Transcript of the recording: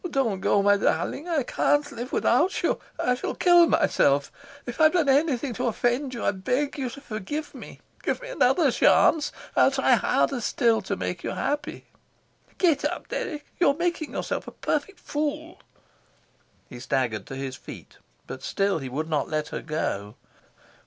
"Oh, don't go, my darling. I can't live without you; I shall kill myself. If I've done anything to offend you I beg you to forgive me. Give me another chance. I'll try harder still to make you happy." "Get up, Dirk. You're making yourself a perfect fool." He staggered to his feet, but still he would not let her go.